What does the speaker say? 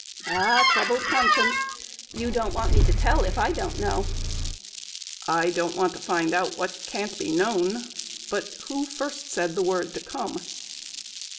"A troubled conscience! You don't want me to tell if I don't know." "I don't want to find out what can't be known. But who first said the word to come?"